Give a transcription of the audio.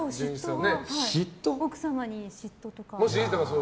奥様に嫉妬とかは。